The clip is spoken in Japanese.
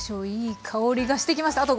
いい香りがしてきました。